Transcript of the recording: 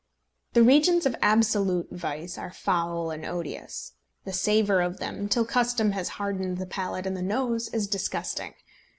The regions of absolute vice are foul and odious. The savour of them, till custom has hardened the palate and the nose, is disgusting.